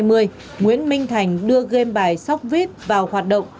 đầu năm hai nghìn hai mươi nguyễn minh thành đưa game bài sóc viếp vào hoạt động